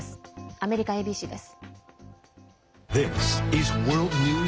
アメリカＡＢＣです。